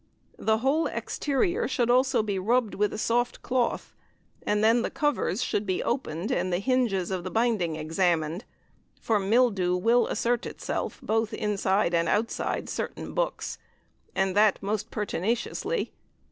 The whole exterior should also be rubbed with a soft cloth, and then the covers should be opened and the hinges of the binding examined; for mildew WILL assert itself both inside and outside certain books, and that most pertinaciously.